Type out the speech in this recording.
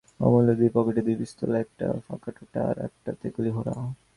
অমূল্যর দুই পকেটে দুই পিস্তল, একটাতে ফাঁকা টোটা আর একটাতে গুলি ভরা।